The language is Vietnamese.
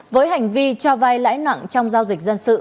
với hành vi cho vai lãi nặng trong giao dịch dân sự